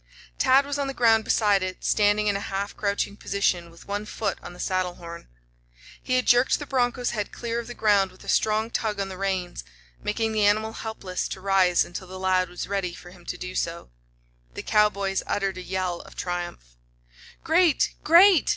Tad was on the ground beside it, standing in a half crouching position, with one foot on the saddle horn. He had jerked the broncho's head clear of the ground with a strong tug on the reins, making the animal helpless to rise until the lad was ready for him to do so. The cowboys uttered a yell of triumph. "Great! Great!"